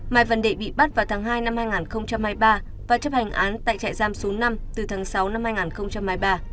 mai văn đệ bị bắt vào tháng hai năm hai nghìn hai mươi ba và chấp hành án tại trại giam số năm từ tháng sáu năm hai nghìn hai mươi ba